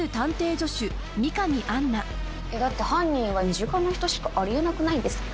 えっだって犯人は身近な人しかあり得なくないですか？